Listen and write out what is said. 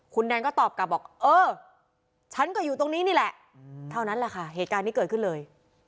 คุณแนนก็ตอบกลับบอกเออฉันก็อยู่ตรงนี้นี่แหละเท่านั้นแหละค่ะเหตุการณ์นี้เกิดขึ้นเลย